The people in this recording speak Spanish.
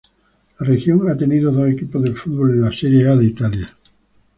La región ha tenido dos equipos de fútbol en la Serie A de Italia.